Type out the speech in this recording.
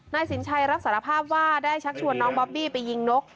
นายสินชัยรับสารภาพว่าได้ชักชวนน้องบอบบี้ไปยิงนก